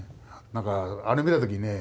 なんかあれ見た時にね